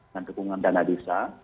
dan dukungan dana desa